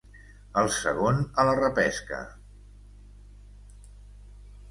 El segon a la repesca.